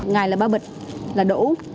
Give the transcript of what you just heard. ngày là ba bịch là đủ